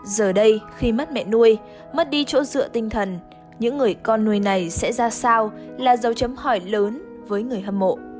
giờ đây khi mất mẹ nuôi mất đi chỗ dựa tinh thần những người con nuôi này sẽ ra sao là dấu chấm hỏi lớn với người hâm mộ